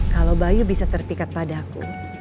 kalau bayu bisa terpikat padaku